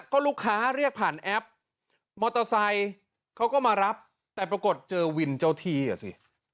ก็ลูกค้าเรียกผ่านแอปเขาก็มารับแต่ปรากฏเจอวินเจ้าทีเหอะสิ